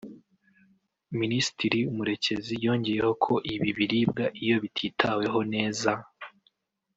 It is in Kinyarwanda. Minisitiri Murekezi yongeyeho ko ibi biribwa iyo bititaweho neza